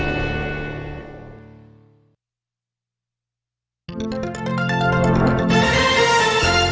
ออโฮไทยเย้